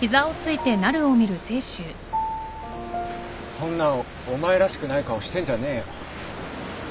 そんなお前らしくない顔してんじゃねえよ。